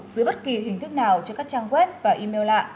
dưới bất kỳ hình thức nào cho các trang web và email lạ